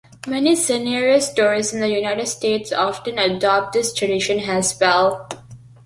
Many Sanrio Stores in the United States often adopt this tradition as well.